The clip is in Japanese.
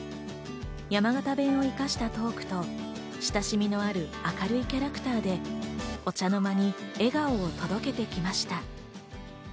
山形弁を生かしたトークと、親しみのある明るいキャラクターで、お茶の間に笑顔を届けてきました。